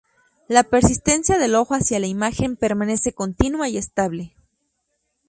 La persistencia del ojo hacia la imagen permanece continua y estable.